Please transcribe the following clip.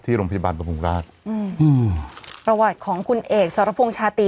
ที่โรงพยาบาลประภูมิภาคอืมอืมประวัติของคุณเอกสารพงษาตรี